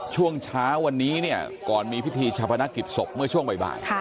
ช่วงเช้าวันนี้เนี่ยก่อนมีพิธีชาปนกิจศพเมื่อช่วงบ่าย